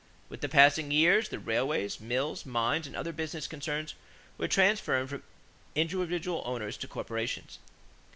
With the passing years, the railways, mills, mines, and other business concerns were transferred from individual owners to corporations.